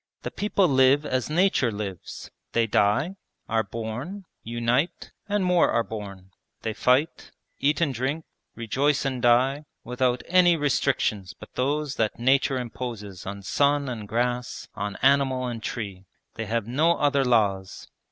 'The people live as nature lives: they die, are born, unite, and more are born they fight, eat and drink, rejoice and die, without any restrictions but those that nature imposes on sun and grass, on animal and tree. They have no other laws.'